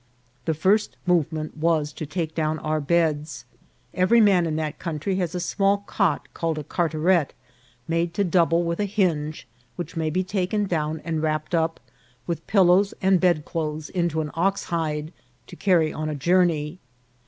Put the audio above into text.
The first movement was to take down our beds. Every man in that coun try has a small cot called a cartaret, made to double with a hinge, which may be taken down and wrap ped up, with pillows and bedclothes, in an oxhide, to carry on a journey.